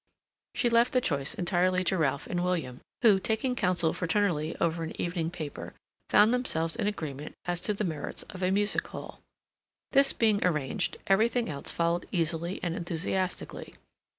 She left the choice entirely to Ralph and William, who, taking counsel fraternally over an evening paper, found themselves in agreement as to the merits of a music hall. This being arranged, everything else followed easily and enthusiastically.